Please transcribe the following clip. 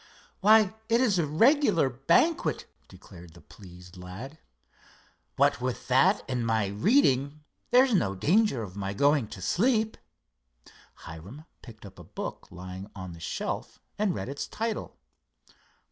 "Why, it is a regular banquet," declared the pleased lad. "What with that and my reading there's no danger of my going to sleep." Hiram picked up a book lying on the shelf and read its title.